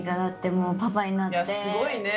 すごいね。